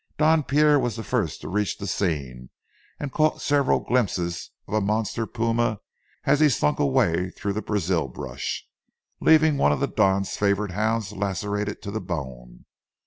Don Pierre was the first to reach the scene, and caught several glimpses of a monster puma as he slunk away through the Brazil brush, leaving one of the Don's favorite hounds lacerated to the bone.